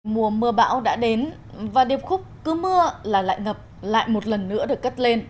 mùa mưa bão đã đến và điệp khúc cứ mưa là lại ngập lại một lần nữa được cất lên